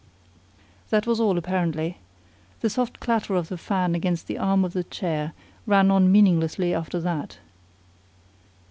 That was all, apparently. The soft clatter of the fan against the arm of the chair ran on meaninglessly after that.